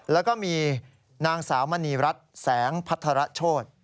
แล้วก็มีนางสาวมณีรัฐแสงพัฒระโชธ